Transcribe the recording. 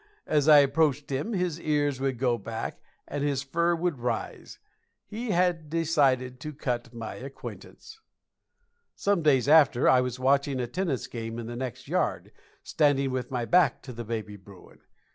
As I approached him his ears would go back, and his fur would rise. He had decided to cut my acquaintance. Some days after, I was watching a tennis game in the next yard, standing with my back to baby bruin.